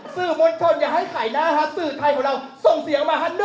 สื่อมนต์ชนอย่าให้ไข่หน้าฮะสื่อไทยของเราส่งเสียงมาฮะ๑๒๓